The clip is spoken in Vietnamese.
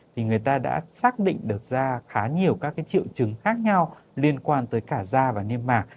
thì người ta đã xác định được ra khá nhiều các triệu chứng khác nhau liên quan tới cả da và niêm mạc